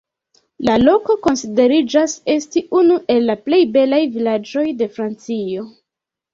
La loko konsideriĝas esti unu el la plej belaj vilaĝoj de Francio.